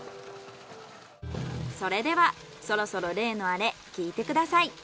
それではそろそろ例のアレ聞いてください。